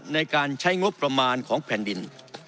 ในการใช้งบประมาณของแผ่นดิน